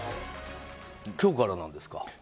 今日からなんですか？